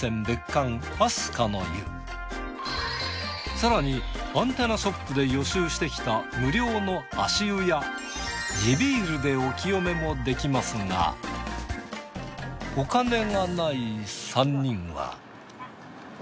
更にアンテナショップで予習してきた無料の足湯や地ビールでお清めもできますがお金がない３人は。